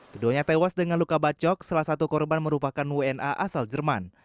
keduanya tewas dengan luka bacok salah satu korban merupakan wna asal jerman